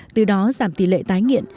từ đó giảm tỷ lệ tái nghiện